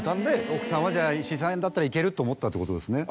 奥さんは石井さんだったらいけるって思ったってことですね？